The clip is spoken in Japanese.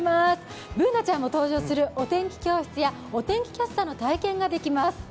Ｂｏｏｎａちゃんも登場するお天気教室やお天気キャスターの体験ができます。